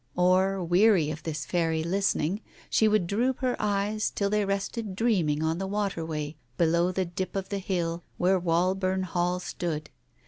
Or, weary of this fairy listening, she would droop her eyes, till they rested dreaming on the waterway below the dip of the hill where Wallburn Hall stood.